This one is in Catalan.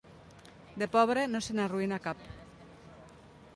De pobre, no se n'arruïna cap.